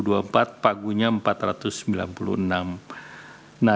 nah yang terkait dengan